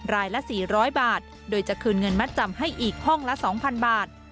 รายละ๔๐๐บาทโดยจะคืนเงินมัดจำให้อีกห้องละ๒๐๐๐บาท